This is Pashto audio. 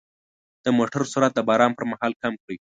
د موټر سرعت د باران پر مهال کم کړئ.